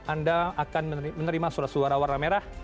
anda akan menerima surat suara warna merah